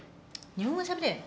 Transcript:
日本語しゃべれ。